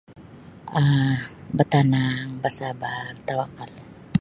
um batanang basabar batawakal.